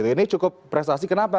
ini cukup prestasi kenapa